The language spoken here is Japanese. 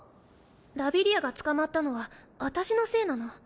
ラビリアが捕まったのは私のせいなの。